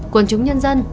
quân chúng nhân dân